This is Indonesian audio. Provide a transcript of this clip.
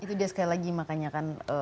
itu dia sekali lagi makanya kan